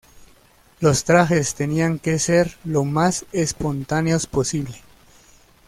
Los trajes tenían que ser lo más espontáneos posible.